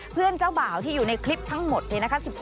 เจ้าบ่าวที่อยู่ในคลิปทั้งหมดเนี่ยนะคะ